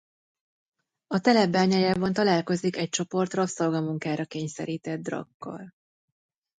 A telep bányájában találkozik egy csoport rabszolga munkára kényszerített Drac-ra.